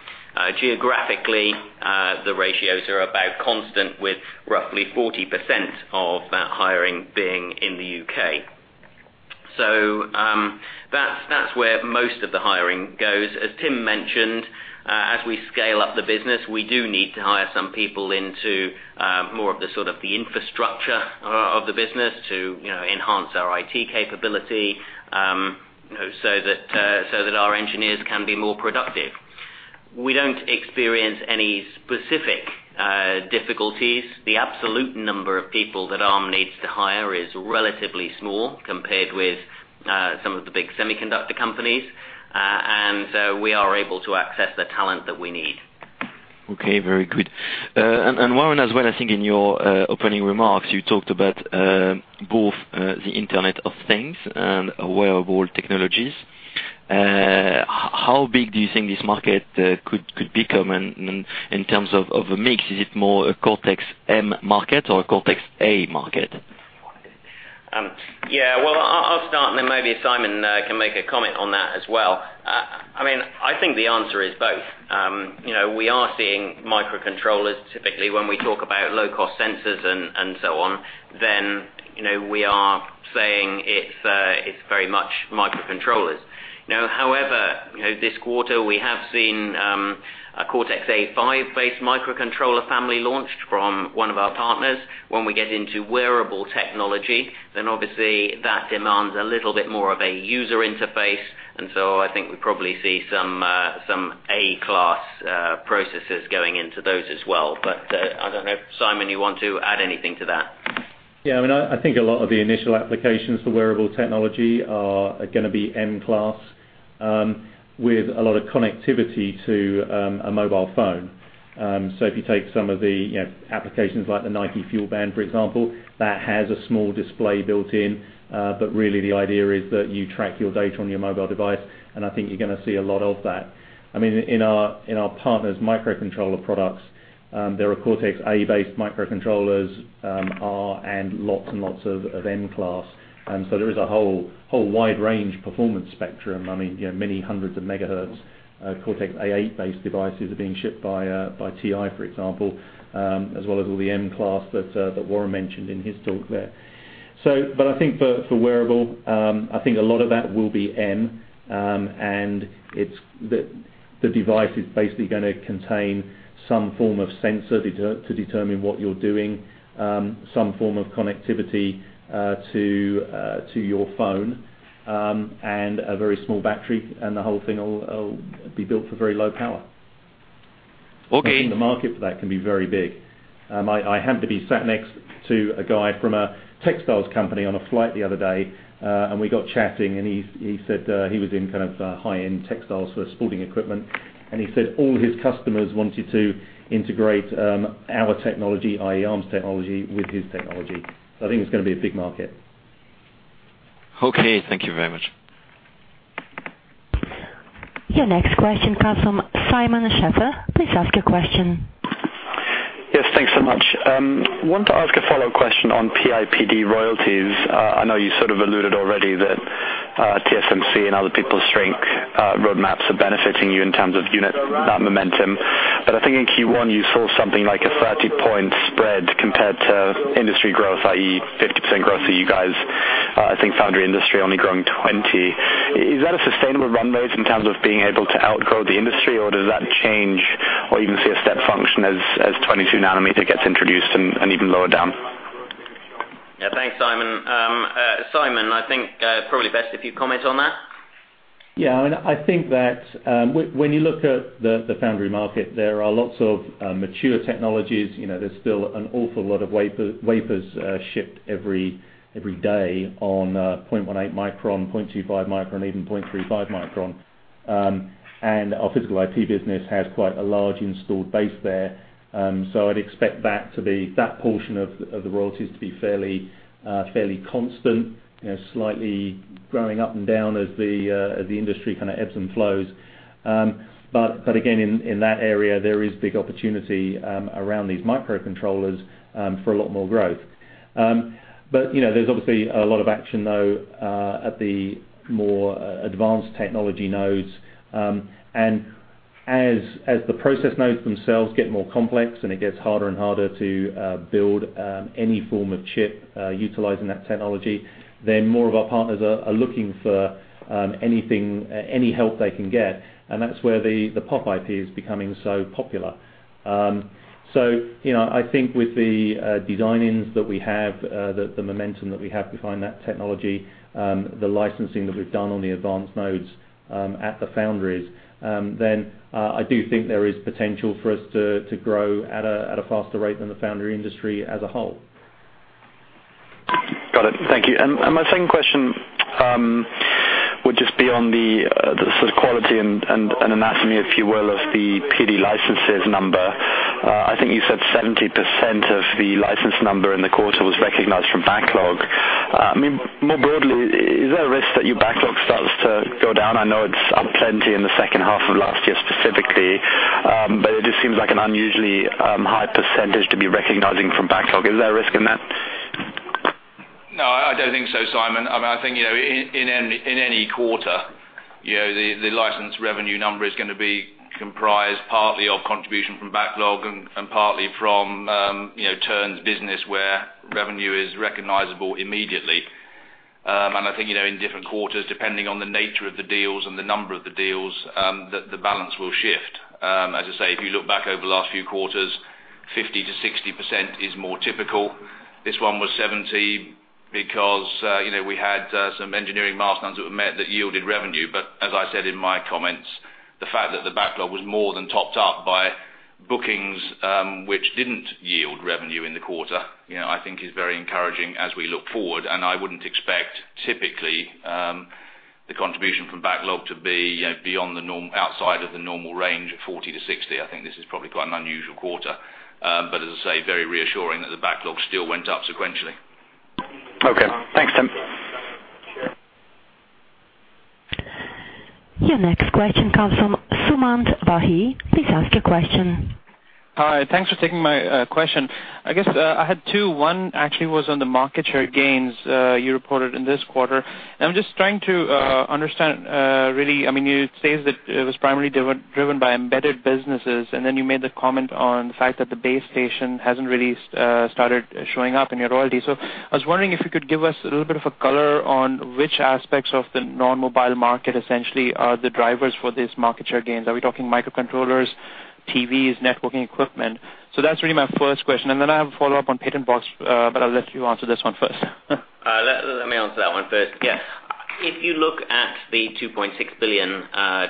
[SPEAKER 4] Geographically, the ratios are about constant with roughly 40% of that hiring being in the U.K. That's where most of the hiring goes. As Tim mentioned, as we scale up the business, we do need to hire some people into more of the sort of the infrastructure of the business to enhance our IT capability, so that our engineers can be more productive. We don't experience any specific difficulties. The absolute number of people that Arm needs to hire is relatively small compared with some of the big semiconductor companies. We are able to access the talent that we need.
[SPEAKER 11] Okay, very good. Warren as well, I think in your opening remarks, you talked about both the Internet of Things and wearable technologies. How big do you think this market could become in terms of a mix? Is it more a Cortex-M market or a Cortex-A market?
[SPEAKER 4] Yeah. I'll start and then maybe Simon can make a comment on that as well. I think the answer is both. We are seeing microcontrollers typically when we talk about low cost sensors and so on, then we are saying it's very much microcontrollers. However, this quarter we have seen a Cortex-A5 based microcontroller family launched from one of our partners. When we get into wearable technology, then obviously that demands a little bit more of a user interface, and so I think we probably see some A-class processors going into those as well. I don't know, Simon, you want to add anything to that?
[SPEAKER 5] Yeah. I think a lot of the initial applications for wearable technology are going to be M-class with a lot of connectivity to a mobile phone. If you take some of the applications like the Nike+ FuelBand, for example, that has a small display built in. Really the idea is that you track your data on your mobile device, and I think you're going to see a lot of that. In our partners' microcontroller products, there are Cortex-A based microcontrollers and lots and lots of M-class. There is a whole wide range performance spectrum, many hundreds of megahertz. Cortex-A8 based devices are being shipped by TI, for example, as well as all the M-class that Warren mentioned in his talk there. I think for wearable, I think a lot of that will be M, and the device is basically going to contain some form of sensor to determine what you're doing, some form of connectivity to your phone, and a very small battery, and the whole thing will be built for very low power.
[SPEAKER 11] Okay.
[SPEAKER 5] I think the market for that can be very big. I happened to be sat next to a guy from a textiles company on a flight the other day, and we got chatting, and he said he was in kind of high-end textiles for sporting equipment, and he said all his customers wanted to integrate our technology, i.e. Arm's technology with his technology. I think it's going to be a big market.
[SPEAKER 11] Okay. Thank you very much.
[SPEAKER 1] Your next question comes from Simon Segars. Please ask your question.
[SPEAKER 12] Yes, thanks so much. Wanted to ask a follow-up question on PIPD royalties. I know you sort of alluded already that TSMC and other people's shrink roadmaps are benefiting you in terms of unit momentum. I think in Q1 you saw something like a 30-point spread compared to industry growth, i.e., 50% growth for you guys. I think foundry industry only growing 20%. Is that a sustainable run rate in terms of being able to outgrow the industry or does that change or even see a step function as 22 nanometer gets introduced and even lower down?
[SPEAKER 4] Yeah. Thanks, Simon. Simon, I think probably best if you comment on that.
[SPEAKER 5] Yeah. I think that when you look at the foundry market, there are lots of mature technologies. There's still an awful lot of wafers shipped every day on 0.18 micron, 0.25 micron, even 0.35 micron. Our physical IP business has quite a large installed base there. I'd expect that portion of the royalties to be fairly constant, slightly growing up and down as the industry kind of ebbs and flows. Again, in that area, there is big opportunity around these microcontrollers for a lot more growth. There's obviously a lot of action though at the more advanced technology nodes. As the process nodes themselves get more complex and it gets harder and harder to build any form of chip utilizing that technology, then more of our partners are looking for any help they can get. That's where the POP IP is becoming so popular. I think with the design-ins that we have, the momentum that we have behind that technology, the licensing that we've done on the advanced nodes at the foundries, then I do think there is potential for us to grow at a faster rate than the foundry industry as a whole.
[SPEAKER 12] Got it. Thank you. My second question would just be on the sort of quality and anatomy, if you will, of the PD licenses number. I think you said 70% of the license number in the quarter was recognized from backlog. More broadly, is there a risk that your backlog starts to go down? I know it's up plenty in the second half of last year specifically. It just seems like an unusually high percentage to be recognizing from backlog. Is there a risk in that?
[SPEAKER 4] No, I don't think so, Simon. I think in any quarter, the license revenue number is going to be comprised partly of contribution from backlog and partly from turns business where revenue is recognizable immediately. I think in different quarters, depending on the nature of the deals and the number of the deals, that the balance will shift. As I say, if you look back over the last few quarters, 50%-60% is more typical. This one was 70% because we had some engineering milestones that were met that yielded revenue. As I said in my comments, the fact that the backlog was more than topped up by bookings which didn't yield revenue in the quarter, I think is very encouraging as we look forward. I wouldn't expect typically
[SPEAKER 6] The contribution from backlog to be beyond outside of the normal range of 40-60. I think this is probably quite an unusual quarter. As I say, very reassuring that the backlog still went up sequentially.
[SPEAKER 12] Okay. Thanks, Tim.
[SPEAKER 1] Your next question comes from Sumant Wahi. Please ask your question.
[SPEAKER 13] Hi, thanks for taking my question. I guess I had two. One actually was on the market share gains you reported in this quarter. I'm just trying to understand really, it says that it was primarily driven by embedded businesses, and then you made the comment on the fact that the base station hasn't really started showing up in your royalties. I was wondering if you could give us a little bit of a color on which aspects of the non-mobile market essentially are the drivers for this market share gains. Are we talking microcontrollers, TVs, networking equipment? That's really my first question, and then I have a follow-up on Patent Box, I'll let you answer this one first.
[SPEAKER 4] Let me answer that one first. Yes. If you look at the 2.6 billion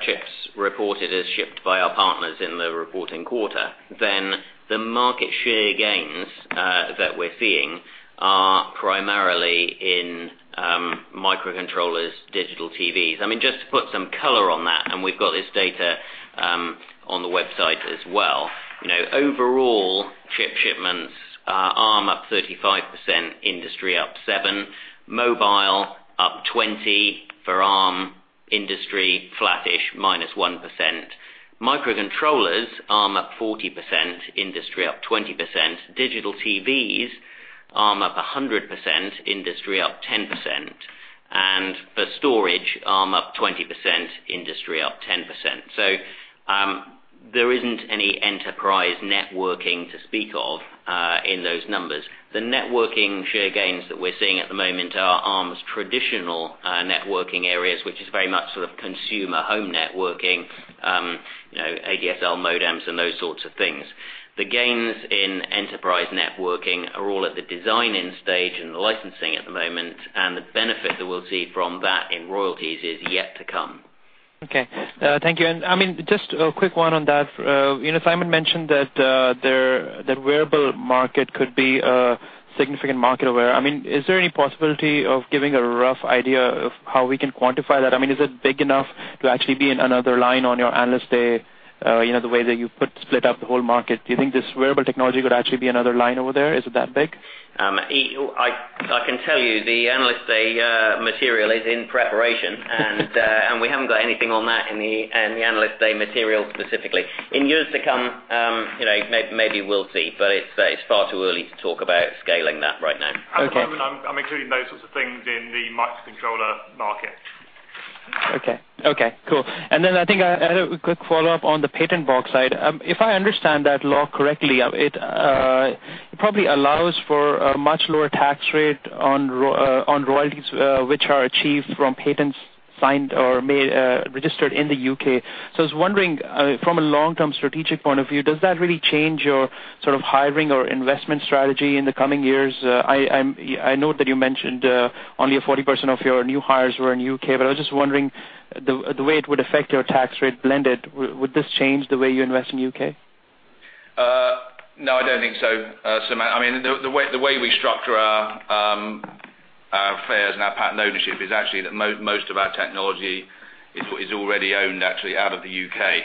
[SPEAKER 4] chips reported as shipped by our partners in the reporting quarter, the market share gains that we're seeing are primarily in microcontrollers, digital TVs. Just to put some color on that, and we've got this data on the website as well. Overall, chip shipments are Arm up 35%, industry up 7%. Mobile up 20% for Arm, industry flat-ish, -1%. Microcontrollers, Arm up 40%, industry up 20%. Digital TVs, Arm up 100%, industry up 10%. For storage, Arm up 20%, industry up 10%. There isn't any enterprise networking to speak of in those numbers. The networking share gains that we're seeing at the moment are Arm's traditional networking areas, which is very much consumer home networking, ADSL modems and those sorts of things. The gains in enterprise networking are all at the designing stage and the licensing at the moment. The benefit that we'll see from that in royalties is yet to come.
[SPEAKER 13] Okay. Thank you. Just a quick one on that. Simon mentioned that the wearable market could be a significant market over. Is there any possibility of giving a rough idea of how we can quantify that? Is it big enough to actually be another line on your Analyst Day the way that you split up the whole market? Do you think this wearable technology could actually be another line over there? Is it that big?
[SPEAKER 4] I can tell you, the Analyst Day material is in preparation. We haven't got anything on that in the Analyst Day material specifically. In years to come maybe we'll see, it's far too early to talk about scaling that right now.
[SPEAKER 13] Okay.
[SPEAKER 6] At the moment, I'm including those sorts of things in the microcontroller market.
[SPEAKER 13] Okay. Cool. I think I had a quick follow-up on the Patent Box side. If I understand that law correctly, it probably allows for a much lower tax rate on royalties which are achieved from patents signed or registered in the U.K. I was wondering from a long-term strategic point of view, does that really change your hiring or investment strategy in the coming years? I know that you mentioned only 40% of your new hires were in U.K., but I was just wondering the way it would affect your tax rate blended. Would this change the way you invest in U.K.?
[SPEAKER 6] No, I don't think so, Sumant. The way we structure our affairs and our patent ownership is actually that most of our technology is already owned actually out of the U.K.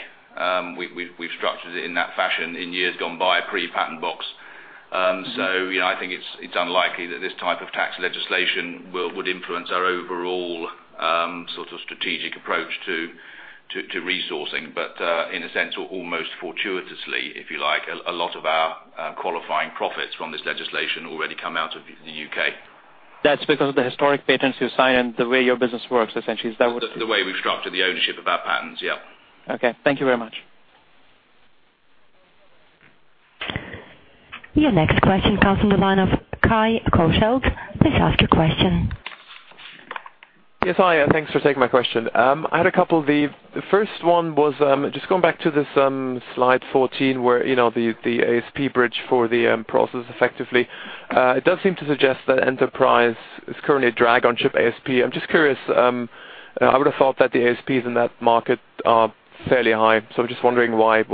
[SPEAKER 6] We've structured it in that fashion in years gone by pre-Patent Box. I think it's unlikely that this type of tax legislation would influence our overall strategic approach to resourcing. In a sense, or almost fortuitously, if you like, a lot of our qualifying profits from this legislation already come out of the U.K.
[SPEAKER 13] That's because of the historic patents you sign and the way your business works, essentially.
[SPEAKER 6] The way we've structured the ownership of our patents.
[SPEAKER 13] Okay. Thank you very much.
[SPEAKER 1] Your next question comes from the line of Kai Koschelk. Please ask your question.
[SPEAKER 14] Yes. Hi, thanks for taking my question. I had a couple. The first one was just going back to this slide 14 where the ASP bridge for the process effectively. It does seem to suggest that enterprise is currently a drag on chip ASP. I'm just curious. I would have thought that the ASPs in that market are fairly high. Just wondering why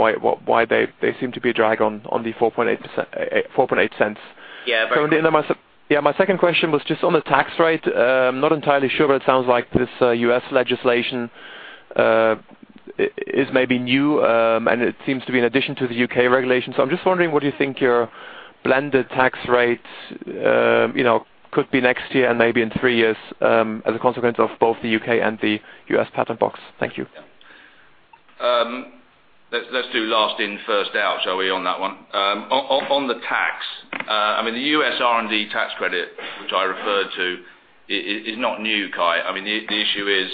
[SPEAKER 14] they seem to be a drag on the 0.048.
[SPEAKER 4] Yeah.
[SPEAKER 14] my second question was just on the tax rate. Not entirely sure, but it sounds like this U.S. legislation is maybe new, and it seems to be an addition to the U.K. regulations. I'm just wondering what you think your blended tax rates could be next year and maybe in three years as a consequence of both the U.K. and the U.S. Patent Box. Thank you.
[SPEAKER 6] Let's do last in, first out, shall we, on that one? On the tax, the U.S. R&D tax credit, which I referred to, is not new, Kai. The issue is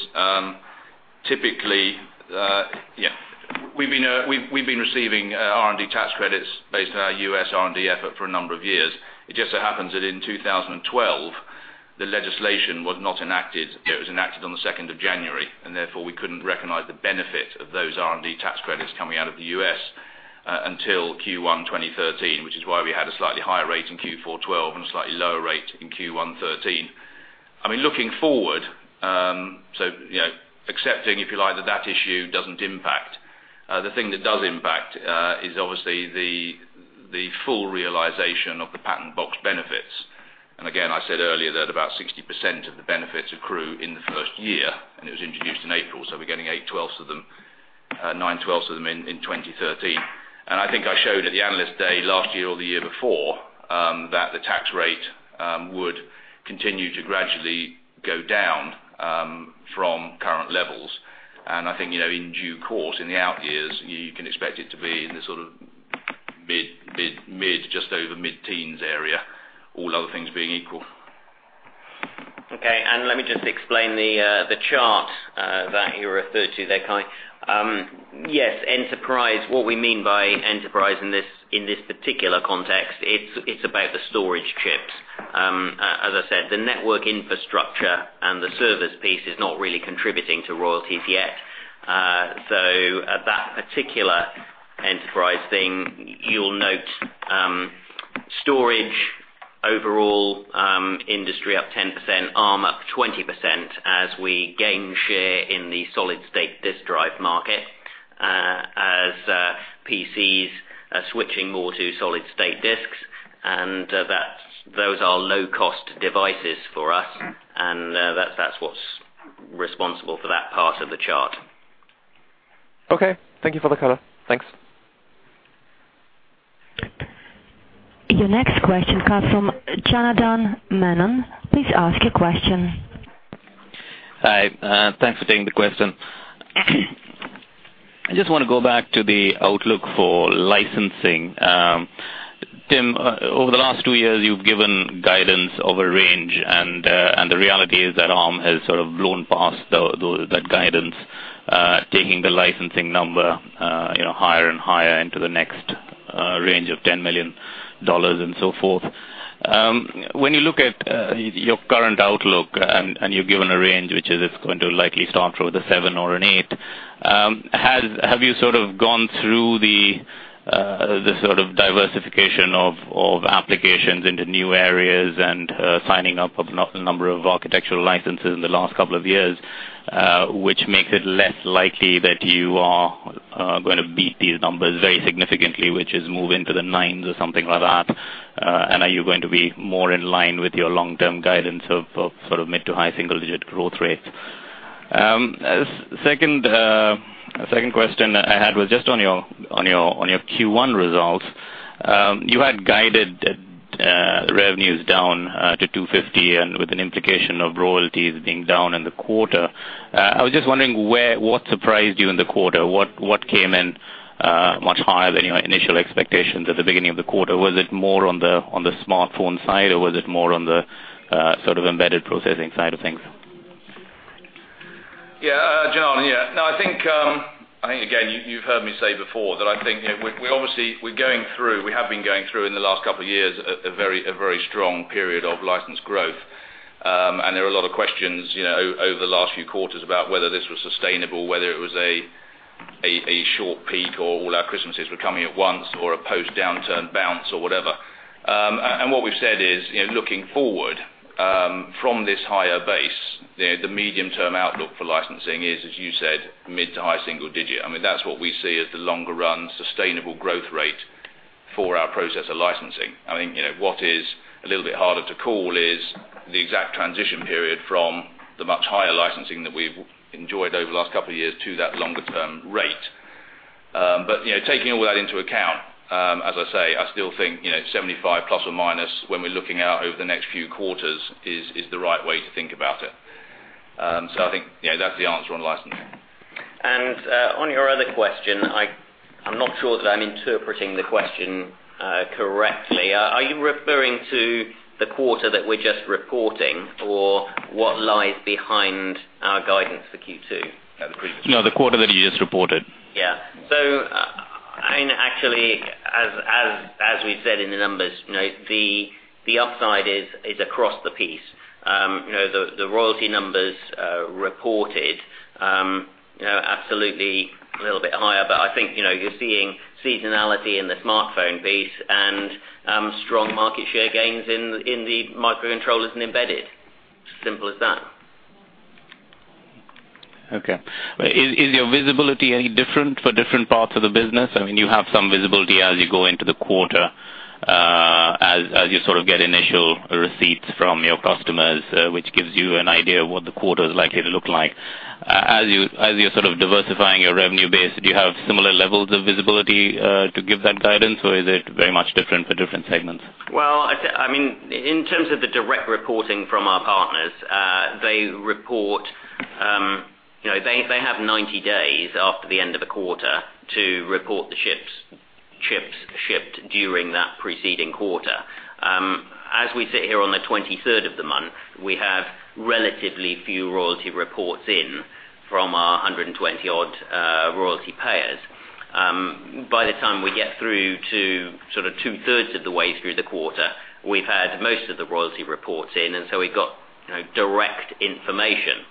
[SPEAKER 6] we've been receiving R&D tax credits based on our U.S. R&D effort for a number of years. It just so happens that in 2012, the legislation was not enacted. It was enacted on the 2nd of January, and therefore, we couldn't recognize the benefit of those R&D tax credits coming out of the U.S. until Q1 2013, which is why we had a slightly higher rate in Q4 2012 and a slightly lower rate in Q1 2013. Looking forward, accepting, if you like, that that issue doesn't impact. The thing that does impact is obviously the full realization of the Patent Box benefits. Again, I said earlier that about 60% of the benefits accrue in the first year, and it was introduced in April, so we're getting nine twelfths of them in 2013. I think I showed at the Analyst Day last year or the year before, that the tax rate would continue to gradually go down from current levels. I think, in due course, in the out years, you can expect it to be in the mid, just over mid-teens area, all other things being equal.
[SPEAKER 4] Okay. Let me just explain the chart that you referred to there, Kai. Yes, enterprise, what we mean by enterprise in this particular context, it's about the storage chips. As I said, the network infrastructure and the service piece is not really contributing to royalties yet. That particular enterprise thing, you'll note storage overall industry up 10%, Arm up 20% as we gain share in the solid state disk drive market as PCs are switching more to solid state disks, and those are low-cost devices for us. That's what's responsible for that part of the chart.
[SPEAKER 14] Okay. Thank you for the color. Thanks.
[SPEAKER 1] Your next question comes from Janardan Menon. Please ask your question.
[SPEAKER 15] Hi. Thanks for taking the question. I just want to go back to the outlook for licensing. Tim, over the last two years, you've given guidance over a range, and the reality is that Arm has sort of blown past that guidance, taking the licensing number higher and higher into the next range of GBP 10 million and so forth. When you look at your current outlook, and you've given a range, which is it's going to likely start with a seven or an eight, have you gone through the sort of diversification of applications into new areas and signing up of a number of architectural licenses in the last couple of years, which makes it less likely that you are going to beat these numbers very significantly, which is move into the nines or something like that? Are you going to be more in line with your long-term guidance of mid to high single-digit growth rates? Second question I had was just on your Q1 results. You had guided revenues down to 250 and with an implication of royalties being down in the quarter. I was just wondering what surprised you in the quarter? What came in much higher than your initial expectations at the beginning of the quarter? Was it more on the smartphone side, or was it more on the embedded processing side of things?
[SPEAKER 6] Janardan. You've heard me say before that we have been going through in the last couple of years, a very strong period of license growth. There were a lot of questions over the last few quarters about whether this was sustainable, whether it was a short peak or all our Christmases were coming at once or a post-downturn bounce or whatever. What we've said is, looking forward from this higher base, the medium-term outlook for licensing is, as you said, mid to high single digit. That's what we see as the longer run sustainable growth rate for our processor licensing. What is a little bit harder to call is the exact transition period from the much higher licensing that we've enjoyed over the last couple of years to that longer-term rate. Taking all that into account, as I say, I still think, 75 plus or minus when we're looking out over the next few quarters is the right way to think about it. I think that's the answer on licensing.
[SPEAKER 4] On your other question, I'm not sure that I'm interpreting the question correctly. Are you referring to the quarter that we're just reporting or what lies behind our guidance for Q2 at the previous-
[SPEAKER 15] No, the quarter that you just reported.
[SPEAKER 4] Yeah. Actually, as we've said in the numbers, the upside is across the piece. The royalty numbers reported absolutely a little bit higher, but I think you're seeing seasonality in the smartphone piece and strong market share gains in the microcontrollers and embedded. It's as simple as that.
[SPEAKER 15] Okay. Is your visibility any different for different parts of the business? You have some visibility as you go into the quarter, as you sort of get initial receipts from your customers, which gives you an idea of what the quarter is likely to look like. As you're sort of diversifying your revenue base, do you have similar levels of visibility to give that guidance, or is it very much different for different segments?
[SPEAKER 4] Well, in terms of the direct reporting from our partners, they have 90 days after the end of the quarter to report the chips shipped during that preceding quarter. As we sit here on the 23rd of the month, we have relatively few royalty reports in from our 120-odd royalty payers. By the time we get through to two-thirds of the way through the quarter, we've had most of the royalty reports in, we've got direct information.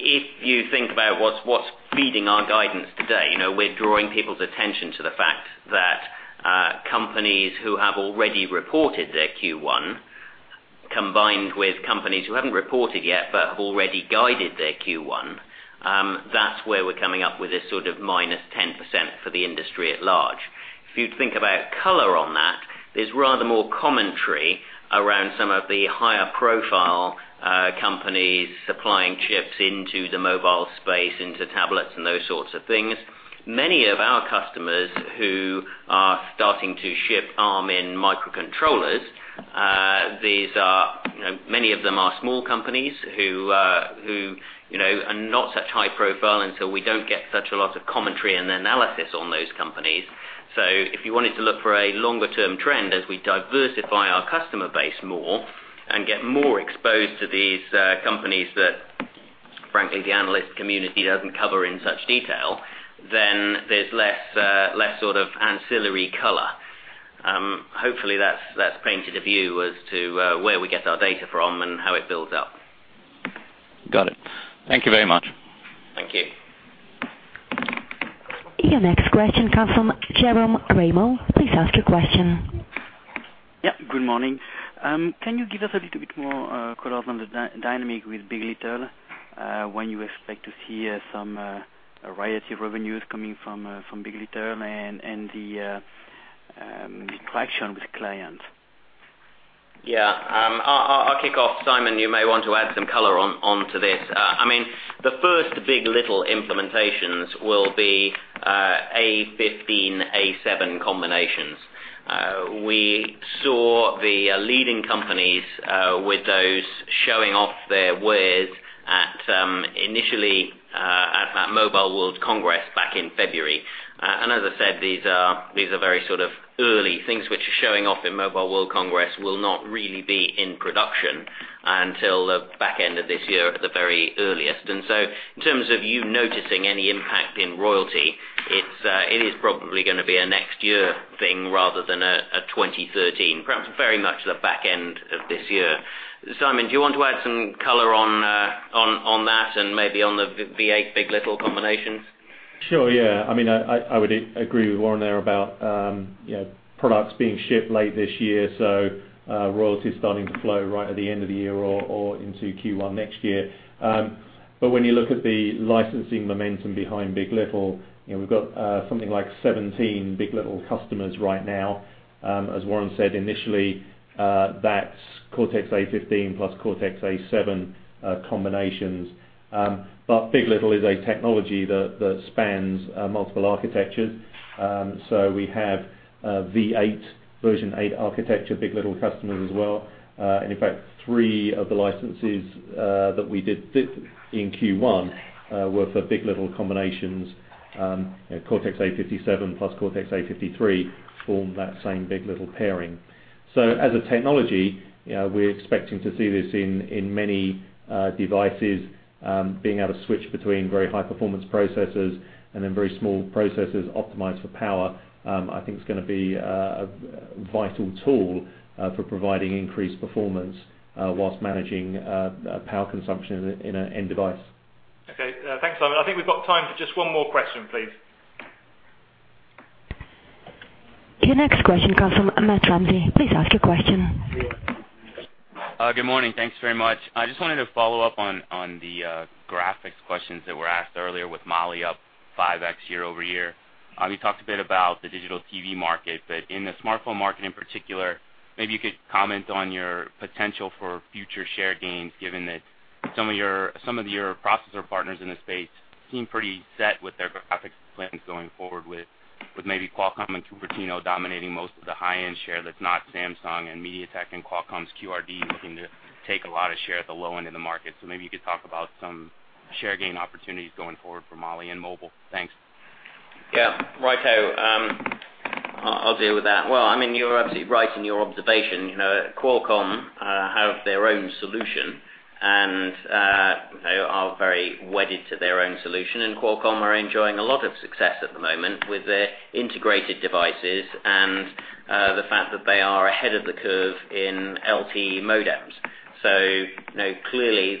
[SPEAKER 4] If you think about what's feeding our guidance today, we're drawing people's attention to the fact that companies who have already reported their Q1, combined with companies who haven't reported yet but have already guided their Q1. That's where we're coming up with this sort of minus 10% for the industry at large. If you think about color on that, there's rather more commentary around some of the higher profile companies supplying chips into the mobile space, into tablets and those sorts of things. Many of our customers who are starting to ship Arm in microcontrollers, many of them are small companies who are not such high profile, we don't get such a lot of commentary and analysis on those companies. If you wanted to look for a longer term trend as we diversify our customer base more and get more exposed to these companies that, frankly, the analyst community doesn't cover in such detail, then there's less sort of ancillary color. Hopefully that's painted a view as to where we get our data from and how it builds up.
[SPEAKER 15] Got it. Thank you very much.
[SPEAKER 4] Thank you.
[SPEAKER 1] Your next question comes from Jerome Ramel. Please ask your question.
[SPEAKER 16] Yeah, good morning. Can you give us a little bit more color on the dynamic with big. LITTLE, when you expect to see some variety of revenues coming from big. LITTLE and the traction with clients?
[SPEAKER 4] Yeah. I'll kick off. Simon, you may want to add some color onto this. The first big. LITTLE implementations will be Cortex-A15, Cortex-A7 combinations. We saw the leading companies with those showing off their wares initially at that Mobile World Congress back in February. As I said, these are very sort of early things which are showing off in Mobile World Congress will not really be in production until the back end of this year at the very earliest. In terms of you noticing any impact in royalty, it is probably going to be a next year thing rather than a 2013, perhaps very much the back end of this year. Simon, do you want to add some color on that and maybe on the V8 big. LITTLE combinations?
[SPEAKER 5] Sure, yeah. I would agree with Warren there about products being shipped late this year, so royalties starting to flow right at the end of the year or into Q1 next year. When you look at the licensing momentum behind big. LITTLE, we've got something like 17 big. LITTLE customers right now. As Warren said initially, that's Cortex-A15 plus Cortex-A7 combinations. big. LITTLE is a technology that spans multiple architectures. We have V8, version eight architecture, big. LITTLE customers as well. In fact, three of the licenses that we did in Q1 were for big. LITTLE combinations. Cortex-A57 plus Cortex-A53 form that same big. LITTLE pairing. As a technology, we're expecting to see this in many devices. Being able to switch between very high performance processors and then very small processors optimized for power, I think is going to be a vital tool for providing increased performance while managing power consumption in an end device.
[SPEAKER 4] Okay. Thanks, Simon. I think we've got time for just one more question, please.
[SPEAKER 1] Your next question comes from Matt Ramsay. Please ask your question.
[SPEAKER 17] Good morning. Thanks very much. I just wanted to follow up on the graphics questions that were asked earlier with Mali up 5X year-over-year. You talked a bit about the digital TV market, but in the smartphone market in particular, maybe you could comment on your potential for future share gains, given that some of your processor partners in this space seem pretty set with their graphics plans going forward with maybe Qualcomm and Cupertino dominating most of the high-end share that's not Samsung and MediaTek and Qualcomm's QRD looking to take a lot of share at the low end of the market. Maybe you could talk about some share gain opportunities going forward for Mali and mobile. Thanks.
[SPEAKER 4] Yeah. Righto. I'll deal with that. You're absolutely right in your observation. Qualcomm have their own solution, and they are very wedded to their own solution. Qualcomm are enjoying a lot of success at the moment with their integrated devices and the fact that they are ahead of the curve in LTE modems. Clearly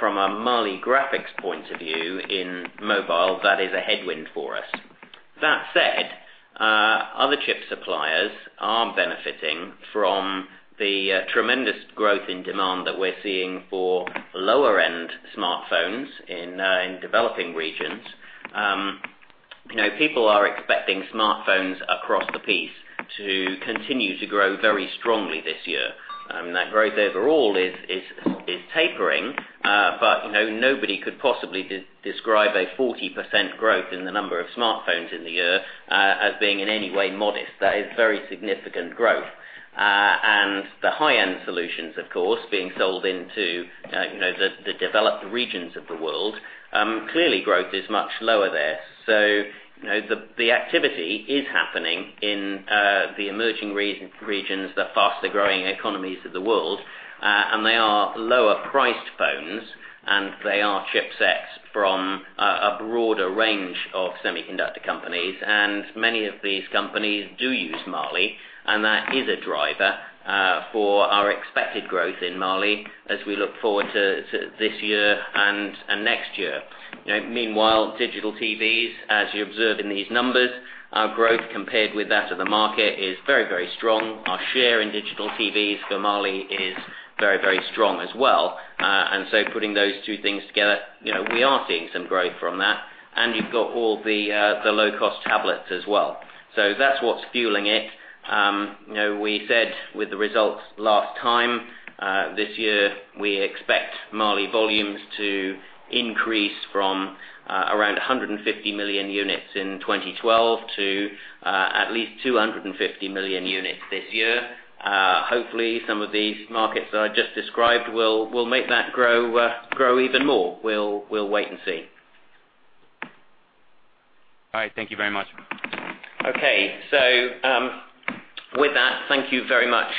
[SPEAKER 4] from a Mali graphics point of view in mobile, that is a headwind for us. That said, other chip suppliers are benefiting from the tremendous growth in demand that we're seeing for lower end smartphones in developing regions. People are expecting smartphones across the piece to continue to grow very strongly this year. That growth overall is tapering, but nobody could possibly describe a 40% growth in the number of smartphones in the year as being in any way modest. That is very significant growth. The high-end solutions, of course, being sold into the developed regions of the world, clearly growth is much lower there. The activity is happening in the emerging regions, the faster growing economies of the world, and they are lower priced phones, and they are chipsets from a broader range of semiconductor companies. Many of these companies do use Mali, and that is a driver for our expected growth in Mali as we look forward to this year and next year. Meanwhile, digital TVs, as you observe in these numbers, our growth compared with that of the market is very, very strong. Our share in digital TVs for Mali is very, very strong as well. Putting those two things together, we are seeing some growth from that. You've got all the low-cost tablets as well. That's what's fueling it. We said with the results last time, this year we expect Mali volumes to increase from around 150 million units in 2012 to at least 250 million units this year. Hopefully, some of these markets that I just described will make that grow even more. We'll wait and see.
[SPEAKER 17] All right. Thank you very much.
[SPEAKER 4] Okay. With that, thank you very much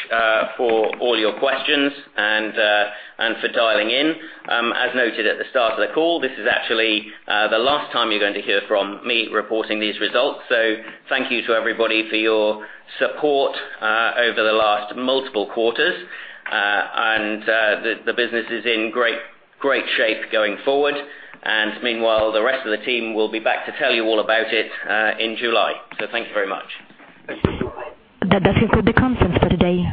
[SPEAKER 4] for all your questions and for dialing in. As noted at the start of the call, this is actually the last time you're going to hear from me reporting these results. Thank you to everybody for your support over the last multiple quarters. The business is in great shape going forward. Meanwhile, the rest of the team will be back to tell you all about it in July. Thank you very much.
[SPEAKER 1] That does conclude the conference for today.